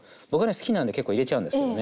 好きなんで結構入れちゃうんですけどね。